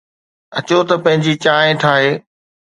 اچو ته پنهنجي چانهه ٺاهي.